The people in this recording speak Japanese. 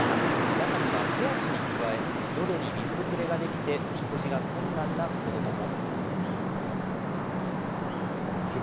中には、手足に加え、のどに水ぶくれが出来て食事が困難な子どもも。